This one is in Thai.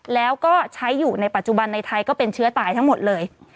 แล้วก็ใช้อยู่ในปัจจุบันในไทยก็เป็นเชื้อตายทั้งหมดเลย